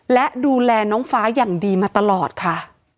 และดูแลน้องฟ้าอย่างดีมาตลอดค่ะ